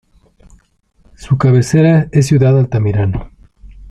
Su cabecera es Ciudad Altamirano.